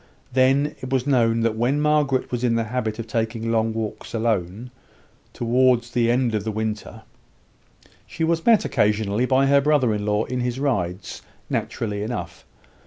Then, it was known that when Margaret was in the habit of taking long walks alone, towards the end of the winter, she was met occasionally by her brother in law in his rides naturally enough.